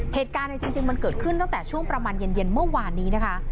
เหตุการณ์จริงมันเกิดขึ้นตั้งแต่ช่วงประมาณเย็นเมื่อวานนี้นะคะ